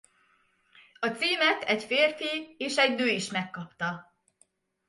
A címet egy férfi és egy nő is megkapta.